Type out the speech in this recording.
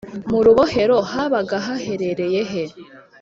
mu rubohero habaga haherereye he